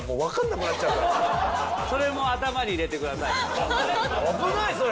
それも頭に入れてください。